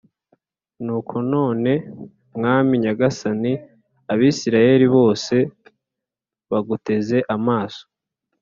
Nuko none mwami nyagasani, Abisirayeli bose baguteze amaso